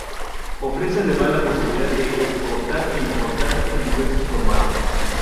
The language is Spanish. Ofrece además la posibilidad de exportar e importar en diversos formatos.